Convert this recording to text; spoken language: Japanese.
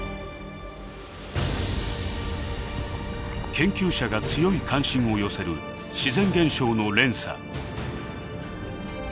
研究者が強い関心を寄せる自然現象の連鎖。